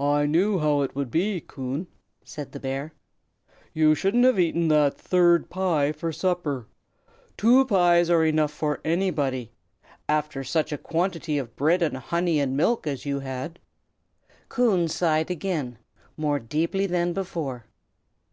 "I knew how it would be, Coon," said the bear. "You shouldn't have eaten that third pie for supper. Two pies are enough for anybody, after such a quantity of bread and honey and milk as you had." Coon sighed again, more deeply than before.